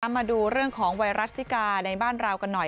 มาดูเรื่องของไวรัสซิกาในบ้านเรากันหน่อย